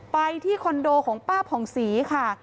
ไปที่คอนโดของป้าผ่องศรีค่ะ